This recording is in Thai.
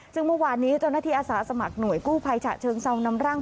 ซึ่งเมื่อวานนี้เจ้าหน้าที่อาสาสมัครหน่วยกู้ภัยฉะเชิงเซานำร่าง